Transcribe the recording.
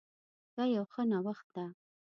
دا يو ښه نوښت ده